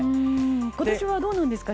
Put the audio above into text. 今年はどうなんですか？